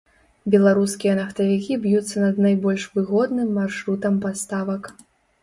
Беларускія нафтавікі б'юцца над найбольш выгодным маршрутам паставак.